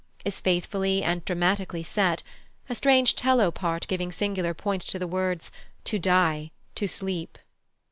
is faithfully and dramatically set, a strange 'cello part giving singular point to the words "To die, to sleep."